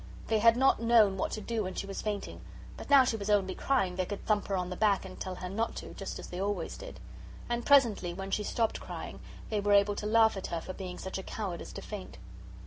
They had not known what to do when she was fainting, but now she was only crying they could thump her on the back and tell her not to, just as they always did. And presently, when she stopped crying, they were able to laugh at her for being such a coward as to faint.